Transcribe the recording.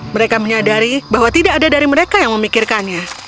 mereka menyadari bahwa tidak ada dari mereka yang memikirkannya